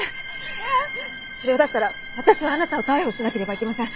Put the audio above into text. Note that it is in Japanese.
それを出したら私はあなたを逮捕しなければいけません。